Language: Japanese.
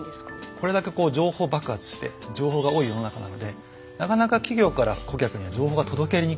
これだけ情報爆発して情報が多い世の中なのでなかなか企業から顧客には情報が届けにくいんですよ。